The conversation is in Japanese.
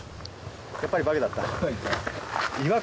やっぱりバクだった。